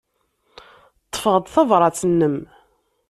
Ḍḍfeɣ-d tabṛat-nnem.